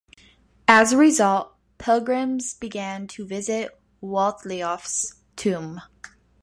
As a result, pilgrims began to visit Waltheof's tomb.